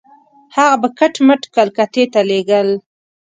هغه به کټ مټ کلکتې ته لېږل.